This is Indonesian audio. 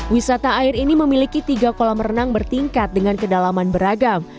wisata air ini memiliki tiga kolam renang bertingkat dengan kedalaman beragam